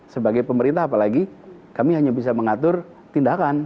sebagai pemerintah apalagi kami hanya bisa mengatur tindakan